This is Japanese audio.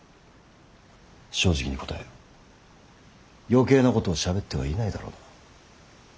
余計なことをしゃべってはいないだろうな。